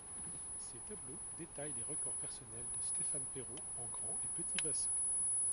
Ces tableaux détaillent les records personnels de Stéphan Perrot en grand et petit bassin.